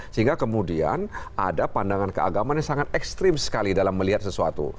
sehingga kemudian ada pandangan keagamaan yang sangat ekstrim sekali dalam melihat sesuatu